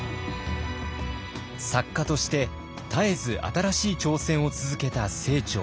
作家として絶えず新しい挑戦を続けた清張。